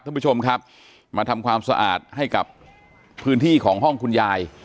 ท่านผู้ชมครับมาทำความสะอาดให้กับพื้นที่ของห้องคุณยาย